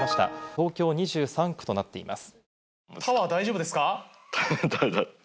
東京２３区となっています。